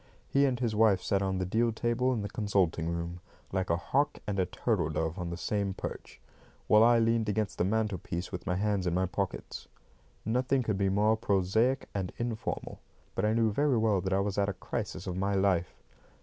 He and his wife sat on the deal table in the consulting room, like a hawk and a turtle dove on the same perch, while I leaned against the mantelpiece with my hands in my pockets. Nothing could be more prosaic and informal; but I knew very well that I was at a crisis of my life.